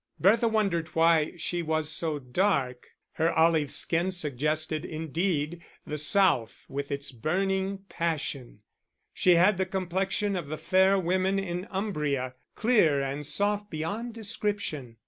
Bertha wondered why she was so dark; her olive skin suggested, indeed, the south with its burning passion: she had the complexion of the fair women in Umbria, clear and soft beyond description.